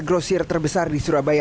grocer terbesar di surabaya